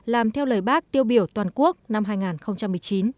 làm theo lời bác tiêu biểu toàn quốc năm hai nghìn một mươi chín